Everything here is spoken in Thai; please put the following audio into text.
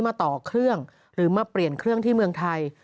มาต่อเครื่องหรือมาเปลี่ยนเครื่องที่เมืองไทย